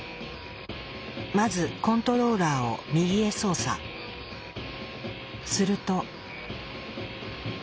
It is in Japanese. まずコントローラーをすると。